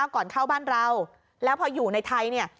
ก่อนเข้าบ้านเราแล้วพออยู่ในไทยเนี่ย